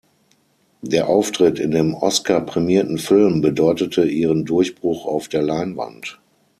Der Auftritt in dem Oscar-prämierten Film bedeutete ihren Durchbruch auf der Leinwand.